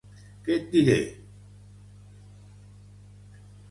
Què et diré!